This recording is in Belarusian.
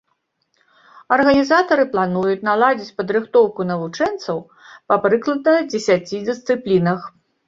Арганізатары плануюць наладзіць падрыхтоўку навучэнцаў па прыкладна дзесяці дысцыплінах.